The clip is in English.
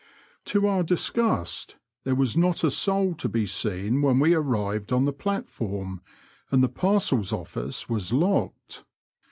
To our disgust, there was not a soul to be seen when we arrived on the platform, and the parcels office was locked.